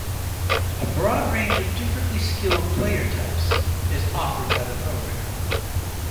A broad range of differently skilled player types is offered by the program.